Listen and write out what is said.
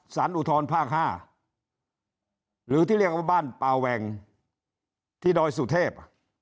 อุทธรภาค๕หรือที่เรียกว่าบ้านป่าแหว่งที่ดอยสุเทพ